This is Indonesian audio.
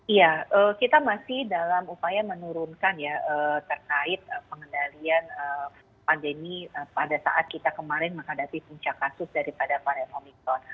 iya kita masih dalam upaya menurunkan ya terkait pengendalian pandemi pada saat kita kemarin menghadapi puncak kasus daripada varian omikron